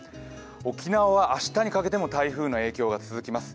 沖縄は明日にかけても台風の影響が続きます。